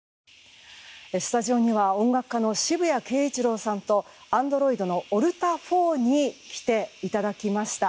スタジオには音楽家の渋谷慶一郎さんとアンドロイドのオルタ４に来ていただきました。